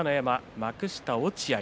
幕下、落合。